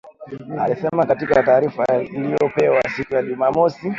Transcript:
alisema katika taarifa iliyopewa siku ya Jumamosi